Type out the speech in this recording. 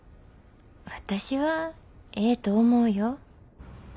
私はええと思うよ。